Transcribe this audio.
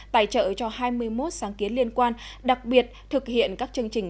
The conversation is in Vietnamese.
tài trợ cho hai mươi một sáng kiến liên quan đặc biệt thực hiện các chương trình